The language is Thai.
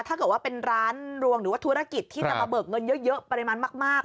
ถ้าเกิดว่าเป็นร้านรวงหรือว่าธุรกิจที่จะมาเบิกเงินเยอะปริมาณมาก